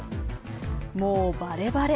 もうバレバレ。